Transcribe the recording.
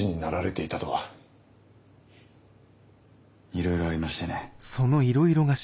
いろいろありましてね。